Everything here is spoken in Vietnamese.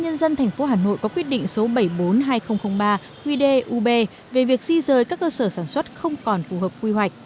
năm hai nghìn ba ubnd tp hà nội có quyết định số bảy mươi bốn hai nghìn ba qd ub về việc di rời các cơ sở sản xuất không còn phù hợp quy hoạch